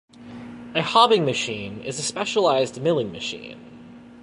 A hobbing machine is a specialised milling machine.